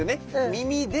耳で。